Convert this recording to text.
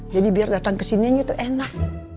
jadi biar datang kesini aja tuh enak